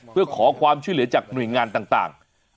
เพื่อขอความช่วยเหลือจากหน่วยงานต่าง